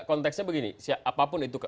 konteksnya begini apapun itu